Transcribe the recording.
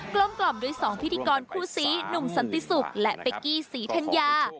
กลมกล่อมด้วย๒พิธีกรคู่ซีหนุ่มสันติศุกร์และเป๊กกี้ศรีธัญญา